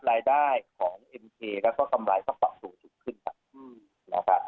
รายได้ของแล้วก็กำไรก็ปรับสูงสุดขึ้นครับอืมนะครับ